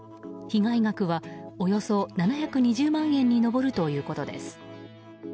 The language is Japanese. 被害額はおよそ７２０万円に上るということです。